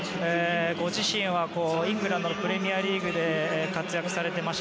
ご自身はイングランドのプレミアリーグで活躍されていました。